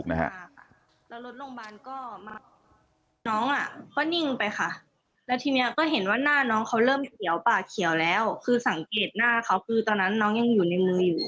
ก็นิ่งไปค่ะก็เห็นว่าหน้าน้องเขาเริ่มแล้วข์หัวแล้วสังเกตหน้าเขาคือตอนนั้นน้องยังอยู่ใน